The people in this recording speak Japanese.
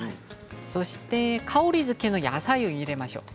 そして香り付けの野菜を入れましょう。